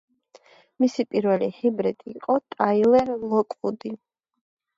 მისი პირველი ჰიბრიდი იყო ტაილერ ლოკვუდი.